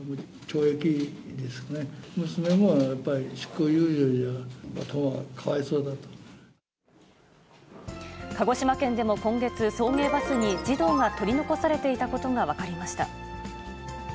懲役ですね、娘もやっぱり執行猶予じゃ、鹿児島県でも今月、送迎バスに児童が取り残されていたことが分かりました。